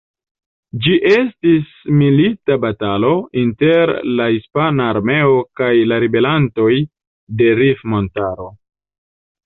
Ĝi estis milita batalo inter la hispana armeo kaj la ribelantoj de Rif-montaro.